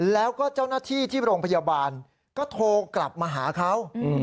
แล้วก็เจ้าหน้าที่ที่โรงพยาบาลก็โทรกลับมาหาเขา